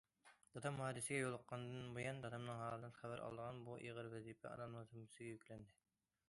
دادام ھادىسىگە يولۇققاندىن بۇيان، دادامنىڭ ھالىدىن خەۋەر ئالىدىغان بۇ ئېغىر ۋەزىپە ئانامنىڭ زىممىسىگە يۈكلەندى.